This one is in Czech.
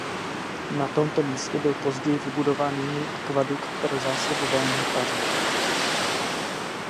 Na tomto místě byl později vybudován jiný akvadukt pro zásobování Paříže.